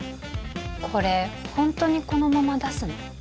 これホントにこのまま出すの？